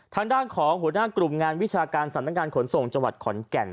ทางด้านของหัวหน้ากลุ่มงานวิชาการสำนักงานขนส่งจังหวัดขอนแก่น